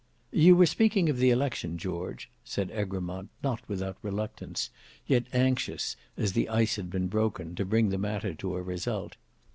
"You were speaking of the election, George," said Egremont, not without reluctance, yet anxious, as the ice had been broken, to bring the matter to a result.